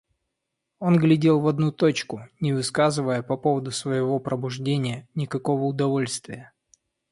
Он глядел в одну точку, не выказывая по поводу своего пробуждения никакого удовольствия.